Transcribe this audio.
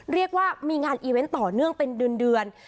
เรียกว่ามีงานอีเวนต์ต่อเนื่องเป็นเดือน